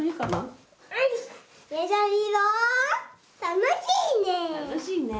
楽しいね。